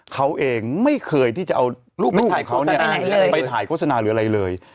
เขาเองไม่เคยที่จะเอารูปของเขาเนี่ยไปถ่ายโฆษณาหรืออะไรเลย